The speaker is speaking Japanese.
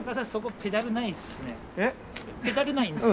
ペダルないんですよ。